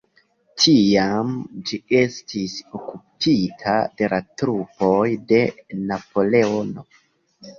Tiam ĝi estis okupita de la trupoj de Napoleono.